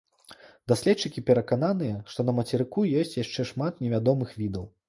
Даследчыкі перакананыя, што на мацерыку ёсць яшчэ шмат невядомых відаў.